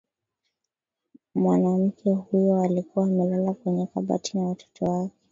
mwanamke huyo alikuwa amelala kwenye kabati na watoto wake